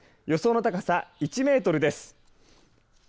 予想の高さ１メートルです。